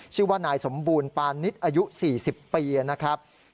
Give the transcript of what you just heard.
ชื่อว่านายสมบูรณ์ปานิษฐ์อายุ๔๐ปีนะครับ